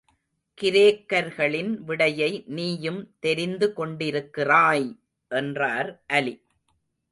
கிரேக்கர்களின் விடையை நீயும் தெரிந்து கொண்டிருக்கிறாய்! என்றார் அலி.